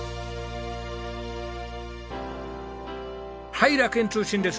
はい楽園通信です。